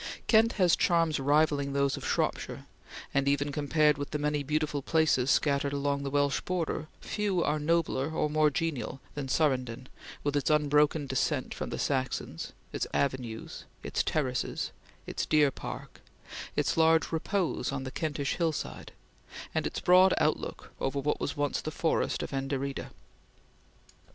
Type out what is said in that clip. Kent has charms rivalling those of Shropshire, and, even compared with the many beautiful places scattered along the Welsh border, few are nobler or more genial than Surrenden with its unbroken descent from the Saxons, its avenues, its terraces, its deer park, its large repose on the Kentish hillside, and its broad outlook over what was once the forest of Anderida.